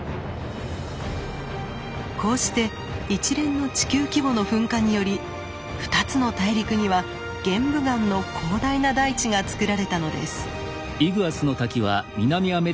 こうして一連の地球規模の噴火により２つの大陸には玄武岩の広大な大地がつくられたのです。